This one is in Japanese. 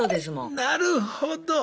なるほど。